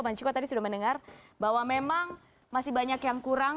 bang ciko tadi sudah mendengar bahwa memang masih banyak yang kurang